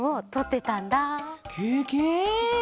ケケ！